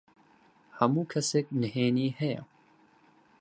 هەموو کەسێک نهێنیی هەیە.